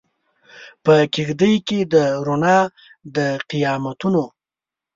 په کیږدۍ کې د روڼا د قیامتونو